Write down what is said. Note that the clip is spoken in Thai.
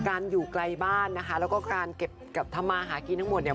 อยู่ไกลบ้านนะคะแล้วก็การเก็บกับทำมาหากินทั้งหมดเนี่ย